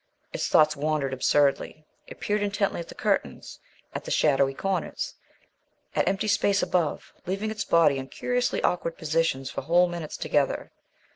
Its thoughts wandered absurdly. It peered intently at the curtains; at the shadowy corners; at empty space above; leaving its body in curiously awkward positions for whole minutes together.